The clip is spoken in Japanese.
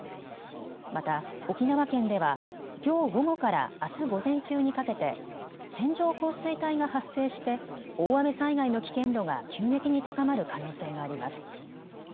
また沖縄県ではきょう午後からあす午前中にかけて線状降水帯が発生して大雨災害の危険度が急激に高まる可能性があります。